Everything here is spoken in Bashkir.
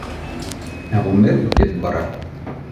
Ә ғүмер үтеп бара